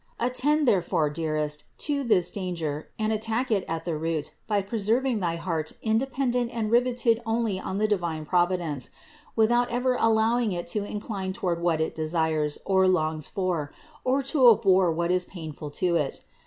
Attend, therefore, dearest, to this danger and attack it at the root by preserving thy heart independent and riveted only on the divine Providence, without ever allowing it to incline toward what it desires or longs for, or to abhor what is painful to it.